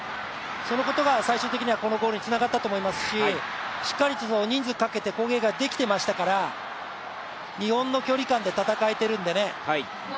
そのことが最終的にこのゴールにつながったと思いますししっかり人数をかけて防衛ができていましたから、日本の距離感で戦えているんでね